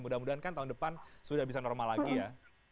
mudah mudahan kan tahun depan sudah bisa normal lagi ya